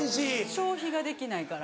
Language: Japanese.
消費ができないから。